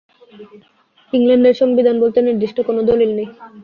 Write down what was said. ইংল্যান্ডের সংবিধান বলতে নির্দিষ্ট কোনো দলিল নেই।